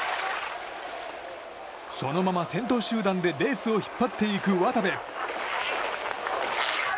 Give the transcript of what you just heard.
そのまま先頭集団でレースを引っ張っていく渡部。